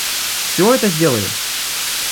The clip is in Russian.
Всё это сделали?